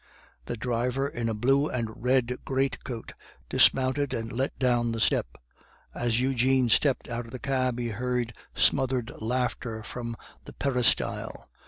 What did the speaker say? The driver, in a blue and red greatcoat, dismounted and let down the step. As Eugene stepped out of the cab, he heard smothered laughter from the peristyle.